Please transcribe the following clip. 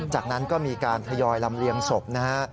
จากนั้นก็มีการทยอยลำเลียงศพนะฮะ